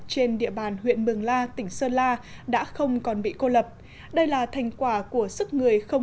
trên địa bàn huyện mường la tỉnh sơn la đã không còn bị cô lập đây là thành quả của sức người không